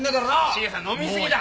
シゲさん飲み過ぎだ。